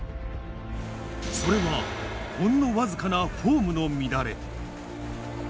それは、ほんの僅かなフォームの乱れ。